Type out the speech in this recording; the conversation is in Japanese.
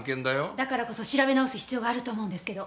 だからこそ調べ直す必要があると思うんですけど。